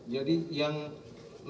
jadi yang loren